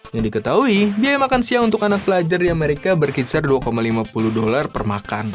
yang diketahui biaya makan siang untuk anak pelajar di amerika berkisar dua lima puluh dolar per makan